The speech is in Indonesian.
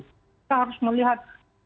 kita harus melihat